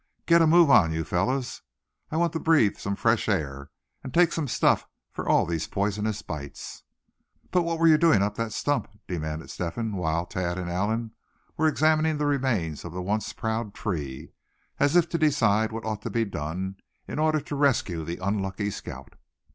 "Get a move on you, fellers. I want to breathe some fresh air, and take some stuff for all these poisonous bites." "But what were you doing up that stump?" demanded Step hen; while Thad and Allan were examining the remains of the once proud tree, as if to decide what ought to be done, in order to rescue the unlucky scout.